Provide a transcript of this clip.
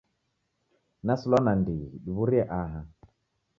Nasilwa nandighi diw'urie aha.